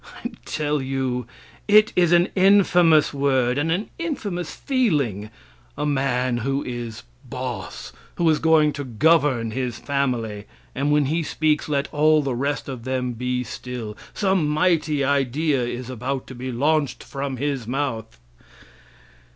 I tell you it is an infamous word, and an infamous feeling a man who is "boss," who is going to govern his family, and when he speaks let all the rest of them be still some mighty idea is about to be launched from his mouth.